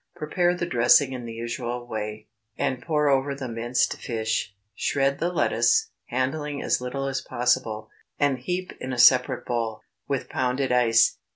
Prepare the dressing in the usual way, and pour over the minced fish. Shred the lettuce, handling as little as possible, and heap in a separate bowl, with pounded ice.